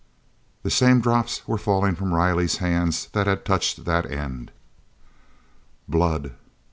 The same drops were falling from Riley's hands that had touched that end. "Blood!"